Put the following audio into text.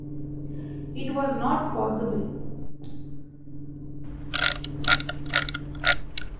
It was not possible.